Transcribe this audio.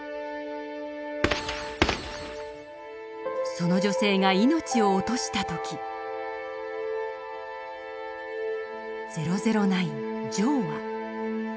その女性が命を落とした時００９ジョーは。